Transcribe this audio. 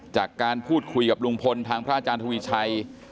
จากการพูดคุยกับลุงพลทางพระอาจารย์ทวีชัย